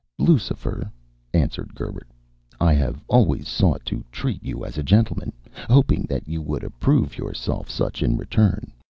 "Lucifer," answered Gerbert, "I have always sought to treat you as a gentleman, hoping that you would approve yourself such in return.